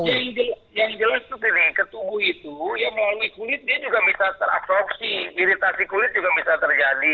yang jelas itu gini ketubuh itu ya melalui kulit dia juga bisa terabsorpsi iritasi kulit juga bisa terjadi